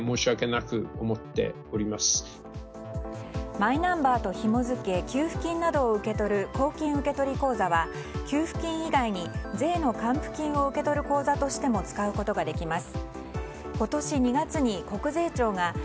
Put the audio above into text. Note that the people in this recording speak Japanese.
マイナンバーとひも付け給付金などを受け取る公金受取口座は給付金以外に税の還付金を受け取る口座としても使うことができます。